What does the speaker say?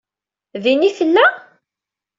Din i tella?